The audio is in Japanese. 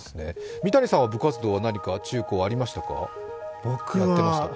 三谷さんは部活動は何か中高はやっていましたか？